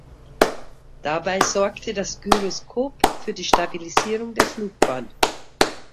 Dabei sorgte das Gyroskop für die Stabilisierung der Flugbahn.